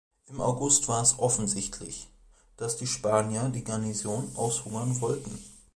Im August war es offensichtlich, dass die Spanier die Garnison aushungern wollten.